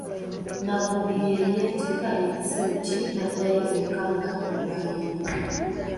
Nabbubi ne yeetikka ekisero kye n'addayo eka nga bw'ayimba.